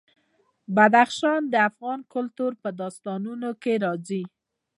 بدخشان د افغان کلتور په داستانونو کې راځي.